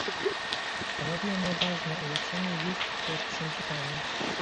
Stanowi ono ważne ulepszenie już w pierwszym czytaniu